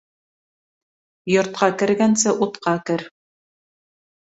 Йортҡа кергәнсе утҡа кер.